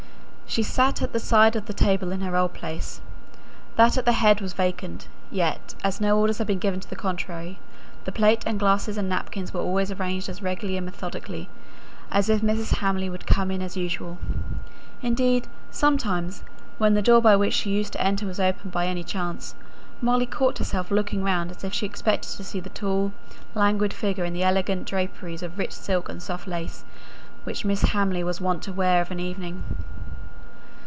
She sat at the side of the table in her old place. That at the head was vacant; yet, as no orders had been given to the contrary, the plate and glasses and napkin were always arranged as regularly and methodically as if Mrs. Hamley would come in as usual. Indeed, sometimes, when the door by which she used to enter was opened by any chance, Molly caught herself looking round as if she expected to see the tall, languid figure in the elegant draperies of rich silk and soft lace, which Mrs. Hamley was wont to wear of an evening.